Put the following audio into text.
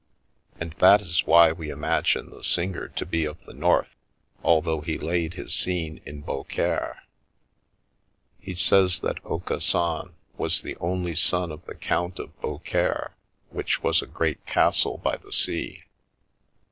And that is why we imagine the singer to be of the North, although he laid his scene in Beaucaire. He says that Aucassin was the only son of the Count of Beaucaire, which was a great castle by the sea.